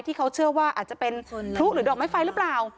ที่เขาเชื่อว่าอาจจะเป็นพลุหรือดอกไม้ไฟหรือเปล่า